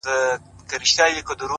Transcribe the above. هوښیار انسان له احساساتو توازن جوړوي